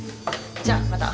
じゃあまた。